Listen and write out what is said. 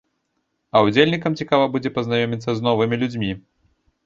А ўдзельнікам цікава будзе пазнаёміцца з новымі людзьмі.